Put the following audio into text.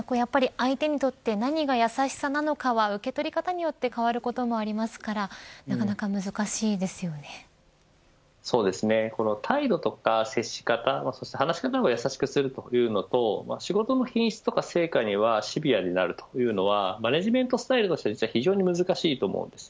やっぱり相手にとって何が優しさなのかは受け取り方によって変わることもありますから態度とか接し方そして話し方を優しくするというのと仕事の品質とか成果にシビアになるというのはマネジメントスタイルとしては非常に難しいと思うんです。